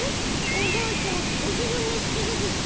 おばあちゃんお昼寝してるですか？